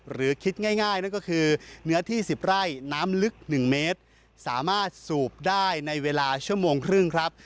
หรือคิดง่ายนั่นก็คือเนื้อที่๑๐ไร่น้ำลึก๑เมตรสามารถสูบได้ในเวลาชั่วโมงครึ่งครับ